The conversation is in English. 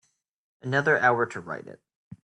Another hour to write it.